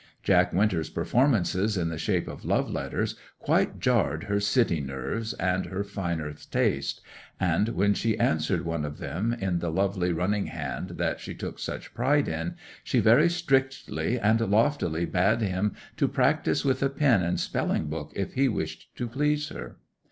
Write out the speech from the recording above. Jack Winter's performances in the shape of love letters quite jarred her city nerves and her finer taste, and when she answered one of them, in the lovely running hand that she took such pride in, she very strictly and loftily bade him to practise with a pen and spelling book if he wished to please her.